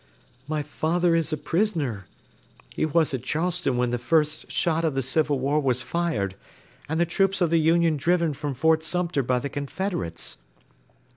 "My father is a prisoner; he was at Charleston when the first shot of the Civil War was fired, and the troops of the Union driven from Fort Sumter by the Confederates.